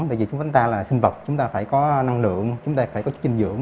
tại vì chúng ta là sinh vật chúng ta phải có năng lượng chúng ta phải có chinh dưỡng